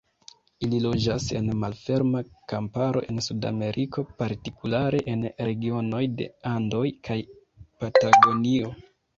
Ili loĝas en malferma kamparo en Sudameriko, partikulare en regionoj de Andoj kaj Patagonio.